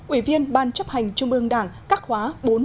ủy viên ban chấp hành trung ương đảng các khóa bốn năm sáu